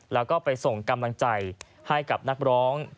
แล้วก็ไปส่งกำลังใจให้กับนักร้อง